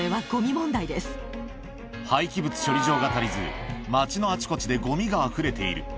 廃棄物処理場が足りず、町のあちこちでごみがあふれている。